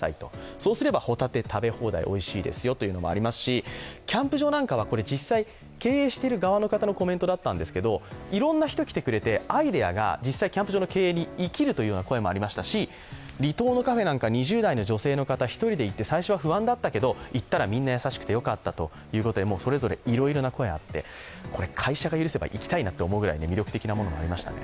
そうするとホタテ食べ放題おいしいですよとなりますしキャンプ場なんかは実際経営している側のコメントだったんですけれどもいろんな人、来てくれてアイデアが実際、キャンプ場の経営に生きるという声もありましたし離島のカフェなんか２０代の女性の方、１人で行って最初は不安だったけど行ったらみんな優しくてよかったとそれぞれ、いろいろな声があって、いきたいなと思うぐらいになりましたね。